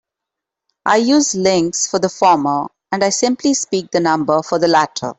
I use "links" for the former and I simply speak the number for the latter.